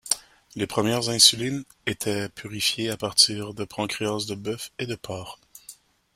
Les premières insulines étaient purifiées à partir de pancréas de bœuf et de porc.